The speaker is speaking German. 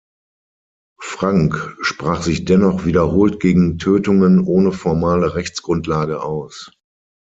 Frank sprach sich dennoch wiederholt gegen Tötungen ohne formale Rechtsgrundlage aus.